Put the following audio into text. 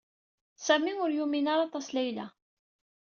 Sami ur yumin ara aṭas Layla.